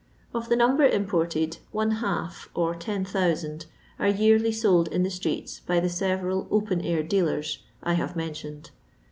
Of the number imported, one half, or 10,000, are yearly sold in the streets by the several open air dealers I have mentioned.